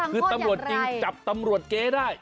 คือตำรวจจริงจับตำรวจเก๊ได้